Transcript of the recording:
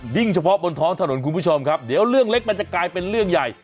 เฉพาะบนท้องถนนคุณผู้ชมครับเดี๋ยวเรื่องเล็กมันจะกลายเป็นเรื่องใหญ่